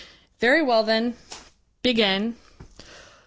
"Very well then. Begin.